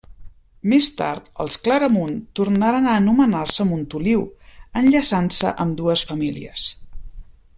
Més tard, els Claramunt tornaren a anomenar-se Montoliu, enllaçant-se ambdues famílies.